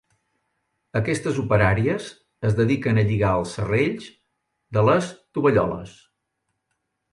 Aquestes operàries es dediquen a lligar els serrells de les tovalloles.